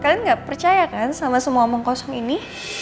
kalian nggak percaya kan sama semua omong kosong ini